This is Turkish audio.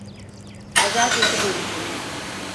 Pazartesi görüşürüz.